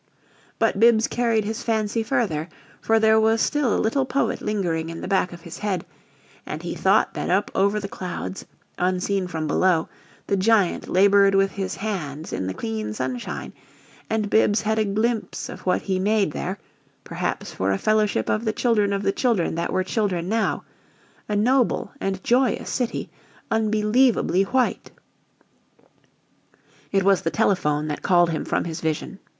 But Bibbs carried his fancy further for there was still a little poet lingering in the back of his head and he thought that up over the clouds, unseen from below, the giant labored with his hands in the clean sunshine; and Bibbs had a glimpse of what he made there perhaps for a fellowship of the children of the children that were children now a noble and joyous city, unbelievably white It was the telephone that called him from his vision.